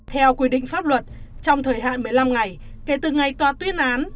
theo quy định pháp luật trong thời hạn một mươi năm ngày kể từ ngày tòa tuyên án